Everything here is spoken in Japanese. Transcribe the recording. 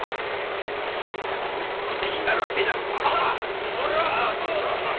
新さんが盗っ人の弟子になるわけねえだろ！